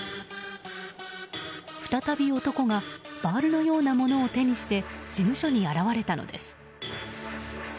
再び男がバールのようなものを手にして事務所に現れたのです。